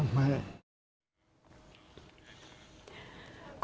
เราก็ลืมตาเราก็ลืมตาเราก็ลืมตา